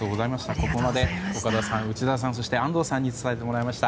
ここまで岡田さん、内田さん安藤さんに伝えてもらいました。